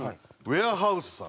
ウエアハウスね。